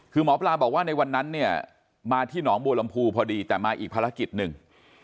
คือหมอปลาบอกว่าในวันนั้นเนี่ยมาที่หนองบัวลำพูพอดีแต่มาอีกภารกิจหนึ่ง